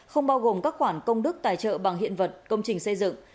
không bao gồm các khoản công đức tài trợ bằng hiện vật công trình xây dựng